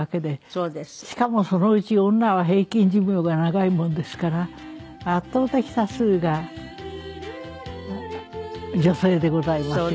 しかもそのうち女は平均寿命が長いもんですから圧倒的多数が女性でございますよ。